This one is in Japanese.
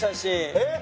えっ！